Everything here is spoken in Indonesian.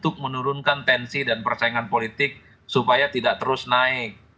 tapi kita harus menghukumkan tensi dan persaingan politik supaya tidak terus naik